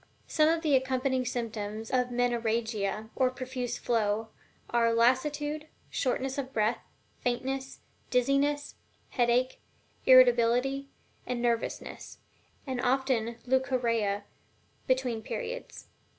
Some of the accompanying symptoms of Menorrhagia, or profuse flow, are lassitude, shortness of breath, faintness, dizziness, headache, irritability and nervousness, and often also leucorrhea between periods.